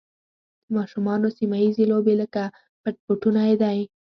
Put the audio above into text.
د ماشومانو سیمه ییزې لوبې لکه پټ پټونی دي.